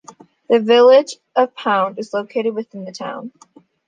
The Village of Pound is located within the town.